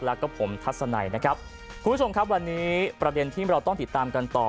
แล้วก็ผมทัศนัยนะครับคุณผู้ชมครับวันนี้ประเด็นที่เราต้องติดตามกันต่อ